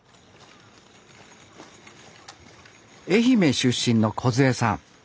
愛媛出身のこずえさん。